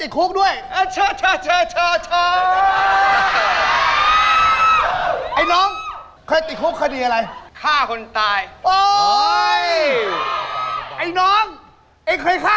คุณเจียวครับ